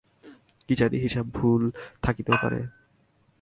কী জানি, হিসাবে ভুল থাকিতেও পারে।